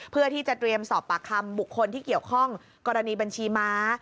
เพื่อที่จะเตรียมสอบปากคำบุคคลที่เกี่ยวข้องกรณีบัญชีม้า